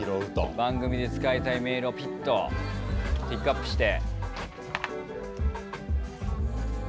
番組で使いたいメールをピッとピックアップして。